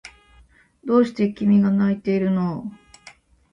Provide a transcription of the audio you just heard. どうして君が泣いているの？